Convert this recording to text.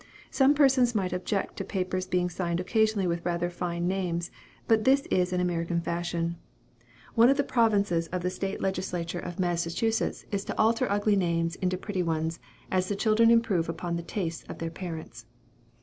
Some persons might object to the papers being signed occasionally with rather fine names, but this is an American fashion. One of the provinces of the state legislature of Massachusetts is to alter ugly names into pretty ones, as the children improve upon the tastes of their parents."